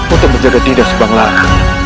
untuk menjaga dinda subanglarang